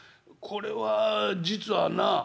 これは実はな」。